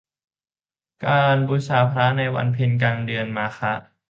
การบูชาพระในวันเพ็ญกลางเดือนมาฆะ